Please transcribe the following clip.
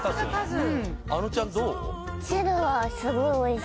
あのちゃんどう？